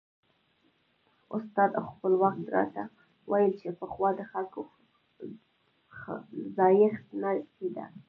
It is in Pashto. استاد خپلواک راته ویل چې پخوا د خلکو ځایښت نه کېده.